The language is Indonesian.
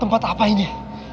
tempat apa ini